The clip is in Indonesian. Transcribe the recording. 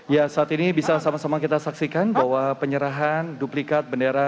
ya saat ini bisa sama sama kita saksikan bahwa penyerahan duplikat bendera